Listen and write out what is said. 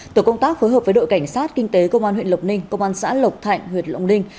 tổ công tác phối hợp với đội cảnh sát kinh tế công an huyện lộc ninh công an xã lộc thạnh huyện lộc ninh